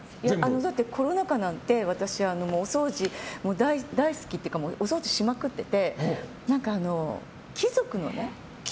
だって、コロナ禍なんて私、お掃除大好きというかお掃除しまくってて。